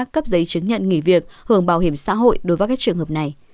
cấp giấy chứng nhận nghỉ việc hưởng bảo hiểm xã hội đối với các trường hợp này